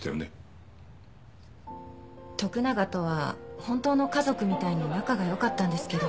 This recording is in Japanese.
徳永とは本当の家族みたいに仲が良かったんですけど。